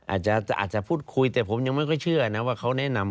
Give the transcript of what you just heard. อาจจะพูดคุยแต่ผมยังไม่ค่อยเชื่อนะว่าเขาแนะนำ